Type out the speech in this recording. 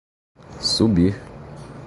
subir